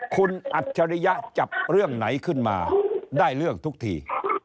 คุณอัจฉริยะจับเรื่องไหนขึ้นมาได้เรื่องทุกที